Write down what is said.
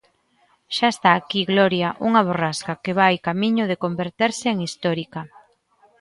Xa está aquí Gloria, unha borrasca que vai camiño de converterse en histórica.